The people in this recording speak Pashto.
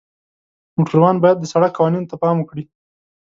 موټروان باید د سړک قوانینو ته پام وکړي.